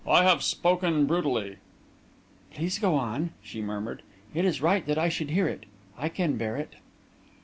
I have spoken brutally." "Please go on," she murmured. "It is right that I should hear it. I can bear it."